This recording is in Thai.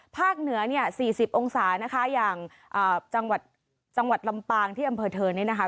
ภาคเหนือ๔๐องศานะคะอย่างจังหวัดลำปางที่อำเภอเทิร์นนี่นะคะ